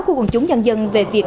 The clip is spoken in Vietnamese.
của quần chúng nhân dân về việc